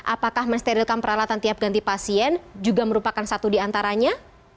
apakah mensterilkan peralatan tiap ganti pasien juga merupakan satu di antaranya